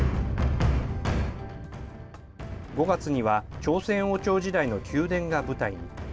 ５月には、朝鮮王朝時代の宮殿が舞台に。